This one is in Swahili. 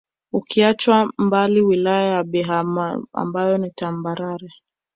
Ukiacha mbali Wilaya ya Biharamulo ambayo ni tambarare